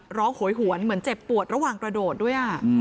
โหยหวนเหมือนเจ็บปวดระหว่างกระโดดด้วย